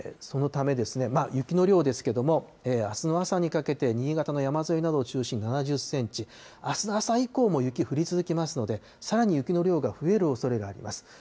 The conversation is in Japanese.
そのため、雪の量ですけれども、あすの朝にかけて、新潟の山沿いなどを中心に７０センチ、あすの朝以降も雪降り続きますので、さらに雪の量が増えるおそれがあります。